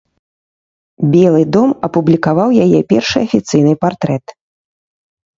Белы дом апублікаваў яе першы афіцыйны партрэт.